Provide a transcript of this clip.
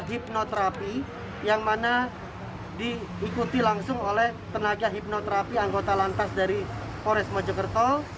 hipnoterapi yang mana diikuti langsung oleh tenaga hipnoterapi anggota lantas dari pores mojokerto